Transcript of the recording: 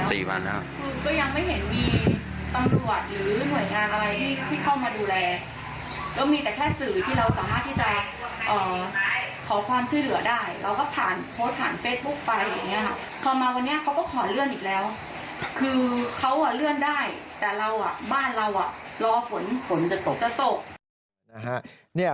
รอฝนฝนจะตก